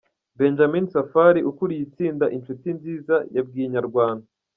Benjamin Safari ukuriye itsinda Inshuti nziza, yabwiye Inyarwanda.